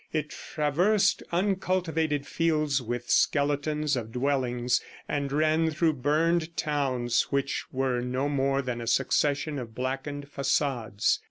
It traversed uncultivated fields with skeletons of dwellings, and ran through burned towns which were no more than a succession of blackened facades.